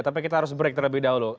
tapi kita harus break terlebih dahulu